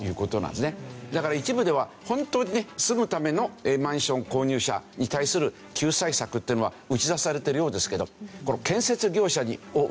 だから一部では本当にね住むためのマンション購入者に対する救済策っていうのは打ち出されてるようですけど。